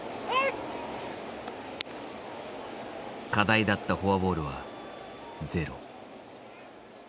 課題だったフォアボールはゼロ。